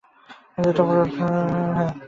ঠিক করে রেখেছি, কাজ শেষ না করে উঠব না।